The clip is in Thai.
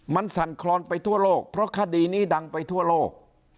มันสั่นคลอนไปทั่วโลกเพราะคดีนี้ดังไปทั่วโลก